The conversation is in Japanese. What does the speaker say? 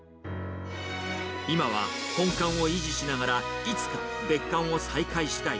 今は本館を維持しながら、いつか別館を再開したい。